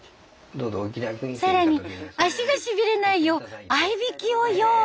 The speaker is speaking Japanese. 更に足がしびれないよう合引を用意。